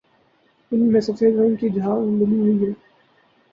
اس میں سفید رنگ کی جھاگ ملی ہوئی ہے